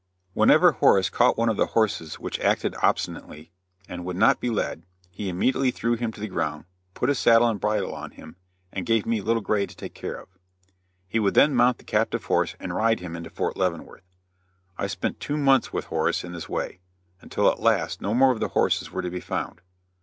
Whenever Horace caught one of the horses which acted obstinately, and would not be led, he immediately threw him to the ground, put a saddle and bridle on him, and gave me Little Gray to take care of. He would then mount the captive horse and ride him into Fort Leavenworth. I spent two months with Horace in this way, until at last no more of the horses were to be found.